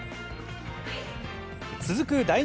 続く第２